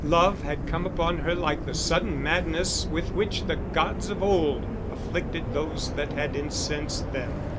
Love had come upon her like the sudden madness with which the gods of old afflicted those that had incensed them.